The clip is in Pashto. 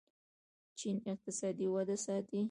چین اقتصادي وده ساتي.